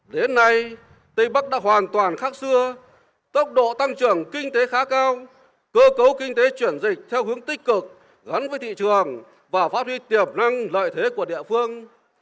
đến nay tây bắc đã hoàn toàn khác xưa tốc độ tăng trưởng kinh tế khá cao cơ cấu kinh tế chuyển dịch theo hướng tích cực gắn với thị trường và phát huy tiềm năng lợi thế của địa phương